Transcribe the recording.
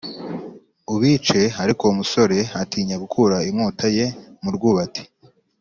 ubice Ariko uwo musore atinya gukura inkota ye mu rwubati